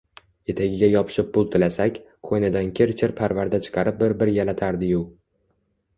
Etagiga yopishib pul tilasak, qo’ynidan kir-chir parvarda chiqarib bir-bir yalatardi-yu